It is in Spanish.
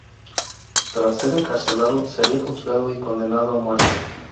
Tras ser encarcelado, sería juzgado y condenado a muerte.